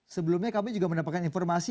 sebelumnya kami juga mendapatkan informasi